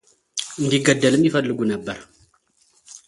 እንዲገደልም ይፈልጉ ነበር፡፡